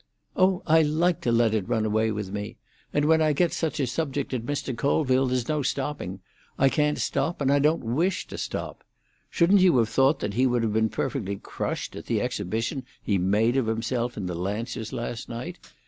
"Oh, I like to let it run away with me. And when I get such a subject as Mr. Colville, there's no stopping. I can't stop, and I don't wish to stop. Shouldn't you have thought that he would have been perfectly crushed at the exhibition he made of himself in the Lancers last night?